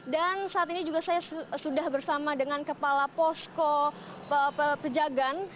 dan saat ini juga saya sudah bersama dengan kepala posko pejagaan